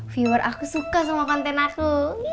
viewer aku suka sama konten aku